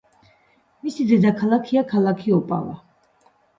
მისი დედაქალაქია ქალაქი ოპავა.